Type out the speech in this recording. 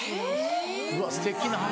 うわすてきな話。